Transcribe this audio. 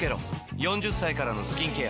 ４０歳からのスキンケア